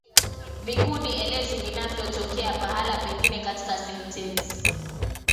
Vikundi elezi vinavyotokea pahala pengine katika sentensi